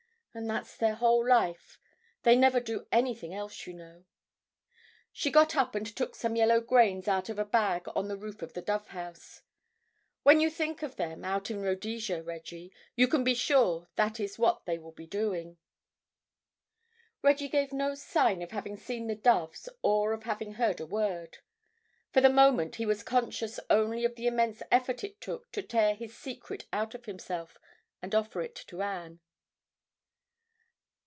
and that's their whole life. They never do anything else, you know." She got up and took some yellow grains out of a bag on the roof of the dove house. "When you think of them, out in Rhodesia, Reggie, you can be sure that is what they will be doing...." Reggie gave no sign of having seen the doves or of having heard a word. For the moment he was conscious only of the immense effort it took to tear his secret out of himself and offer it to Anne.